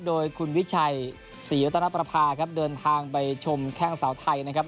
โดยคุณวิชัยศรีวัตนประภาครับเดินทางไปชมแข้งสาวไทยนะครับ